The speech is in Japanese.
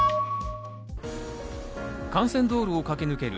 幹線道路を駆け抜ける